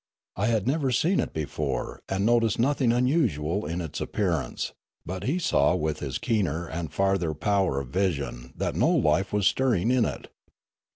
I had never seen it before, and noticed nothing unusual in its appearance; but he saw with his keener and farther power of vision that no life was stirring in it.